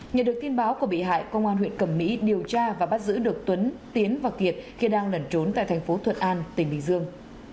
nhờ được tin báo của bị hại công an huyện cẩm mỹ điều tra và bắt giữ được tuấn tiến và kiệt khi đang lẩn trốn tại thành phố thuận an tỉnh bình dương